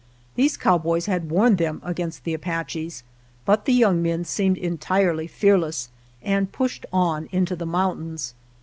These cowboys had warned them against the Apaches, but the young men seemed entirely fearless, and pushed on into the mountains.